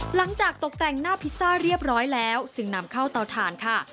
หลังจากตกแต่งหน้าพิซซ่าเรียบร้อยแล้วจึงนำเข้าเตาถ่านค่ะ